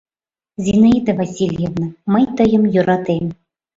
Зинаида Васильевна, мый тыйым йӧратем.